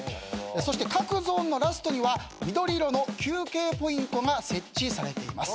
そして各ゾーンのラストには緑色の休憩ポイントが設置されています。